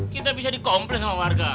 kita bisa di komplis sama warga